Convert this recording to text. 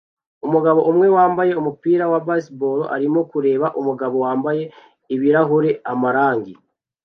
Umugabo umwe wambaye umupira wa baseball arimo kureba umugabo wambaye ibirahure amarangi